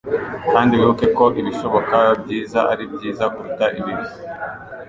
kandi wibuke ko ibishoboka byiza ari byiza kuruta ibibi;